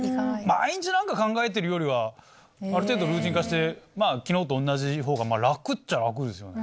毎日何か考えてるよりはある程度ルーティン化して昨日と同じほうが楽っちゃ楽ですよね。